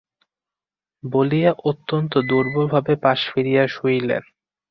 বলিয়া অত্যন্ত দুর্বলভাবে পাশ ফিরিয়া শুইলেন।